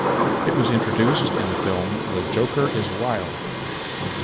It was introduced in the film The Joker Is Wild.